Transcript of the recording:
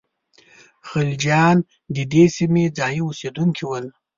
خلجیان د دې سیمې ځايي اوسېدونکي ول.